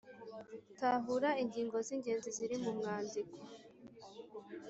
tahura ingingo z’ingenzi ziri mu mwandiko